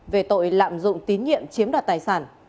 về tội lạm dụng tín nhiệm chiếm đoạt tài sản